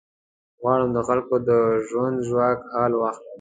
غواړم د خلکو د ژوند ژواک حال واخلم.